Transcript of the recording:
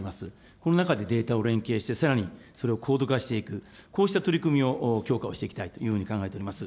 この中でデータを連携して、さらにそれをコード化していく、こうした取り組みを強化をしていきたいというふうに考えております。